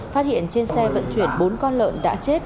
phát hiện trên xe vận chuyển bốn con lợn đã chết